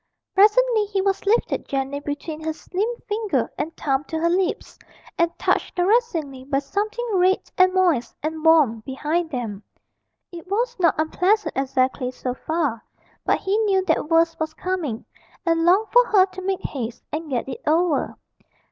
Presently he was lifted gently between her slim finger and thumb to her lips, and touched caressingly by something red and moist and warm behind them. It was not unpleasant exactly, so far, but he knew that worse was coming, and longed for her to make haste and get it over.